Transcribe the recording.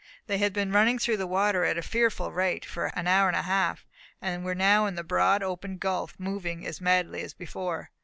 They had been running through the water at a fearful rate, for an hour and a half, and were now in the broad open gulf, moving as madly as before.